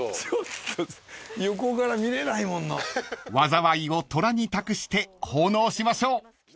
［災いを寅に託して奉納しましょう］